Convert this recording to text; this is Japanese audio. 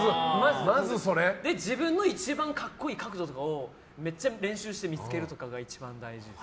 自分の一番格好いい角度とかをめっちゃ練習して見つけるとかが一番大事です。